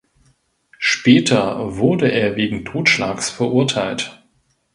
Später wurde er wegen Totschlags verurteilt.